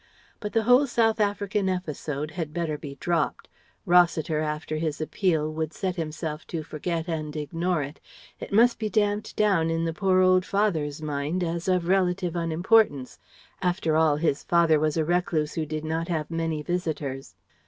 But the whole South African episode had better be dropped. Rossiter, after his appeal, would set himself to forget and ignore it. It must be damped down in the poor old father's mind as of relative unimportance after all, his father was a recluse who did not have many visitors